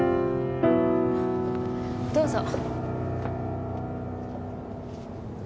どうぞ。